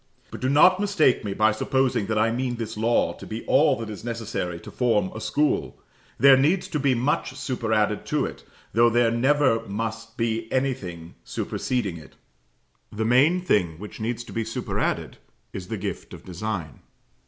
But do not mistake me by supposing that I mean this law to be all that is necessary to form a school. There needs to be much superadded to it, though there never must be anything superseding it. The main thing which needs to be superadded is the gift of design.